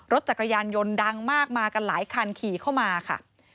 รถจักรยานยนต์ดังมากมากันหลายคันขี่เข้ามาค่ะ